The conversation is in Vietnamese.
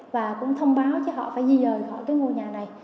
và cũng thông báo họ phải di dời khỏi ngôi nhà này